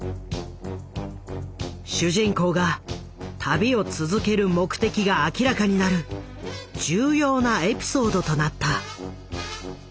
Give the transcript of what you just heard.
主人公が旅を続ける目的が明らかになる重要なエピソードとなった。